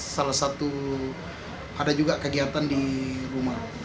salah satu kegiatan di rumah